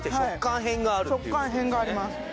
食感変があります